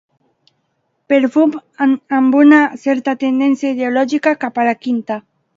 Perfum amb una certa tendència ideològica cap a la quinta.